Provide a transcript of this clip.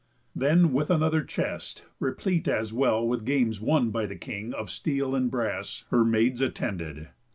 Then, with another chest, replete as well With games won by the King, of steel and brass, Her maids attended.